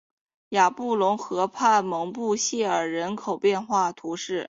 雅布龙河畔蒙布谢尔人口变化图示